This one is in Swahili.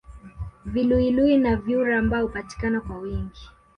Viluwiluwi na vyura ambao hupatikana kwa wingi